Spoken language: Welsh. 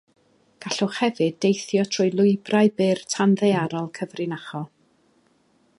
Gallwch hefyd deithio trwy lwybrau byr tanddaearol cyfrinachol.